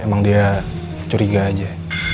emang dia curiga aja